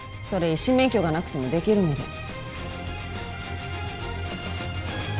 それ医師免許がなくてもできるので。